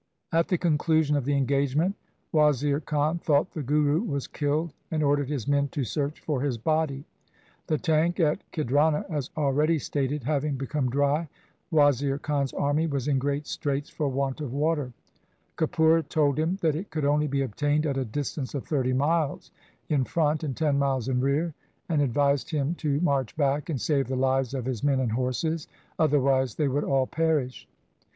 At the conclusion of the engagement Wazir Khan thought the Guru was killed, and ordered his men to search for his body. The tank at Khidrana, as already stated, having become dry, Wazir Khan's army was in great straits for want of water. Kapura told him that it could only be obtained at a distance of thirty miles in front and ten miles in rear, and advised him to 214 THE SIKH RELIGION march back and save the lives of his men and horses, otherwise they would all perish.